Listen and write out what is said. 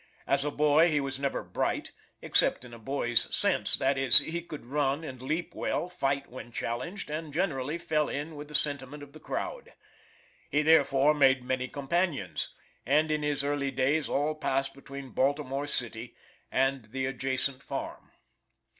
As a boy he was never bright, except in a boy's sense; that is, he could run and leap well, fight when challenged, and generally fell in with the sentiment of the crowd. He therefore made many companions, and his early days all passed between Baltimore city and the adjacent farm.